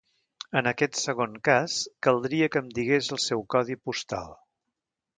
En aquest segon cas, caldria que em digués el seu codi postal.